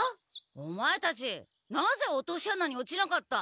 オマエたちなぜ落とし穴に落ちなかった？